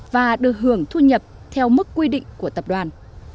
và được hưởng thu nhập theo mức quy định của tập đoàn